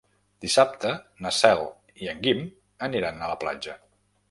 Dissabte na Cel i en Guim aniran a la platja.